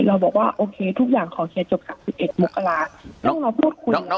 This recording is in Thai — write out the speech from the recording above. เราบอกว่าโอเคทุกอย่างขอเคลียร์จบ๓๑มกราต้องมาพูดคุย